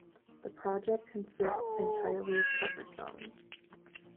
The project consists entirely of cover songs.